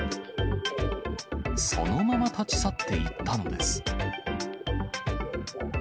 そのまま立ち去っていったのです。